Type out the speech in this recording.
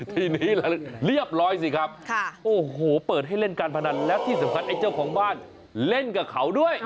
ทีนี้เรียบร้อยสิครับโอ้โหเปิดให้เล่นการพนันและที่สำคัญไอ้เจ้าของบ้านเล่นกับเขาด้วย